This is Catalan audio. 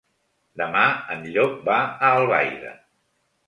Demà en Llop va a Albaida.